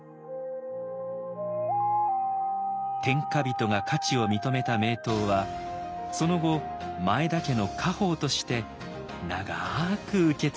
天下人が価値を認めた名刀はその後前田家の家宝として長く受け継がれていきました。